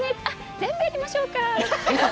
全部やりましょうかって。